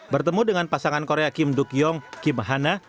bertemu dengan pasangan korea kim dukyong kim hana